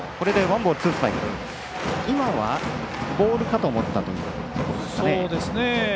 今はボールかと思ったということですかね。